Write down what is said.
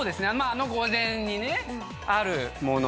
あの御膳にあるもの。